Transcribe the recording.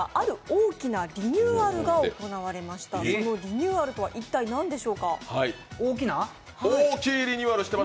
そのリニューアルとは一体なんでしょうか。